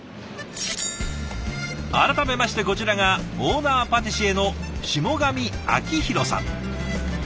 改めましてこちらがオーナーパティシエの霜上明宏さん。